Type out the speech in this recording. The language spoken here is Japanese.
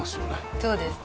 そうですね。